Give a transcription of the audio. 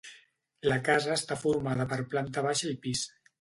La casa està formada per planta baixa i pis.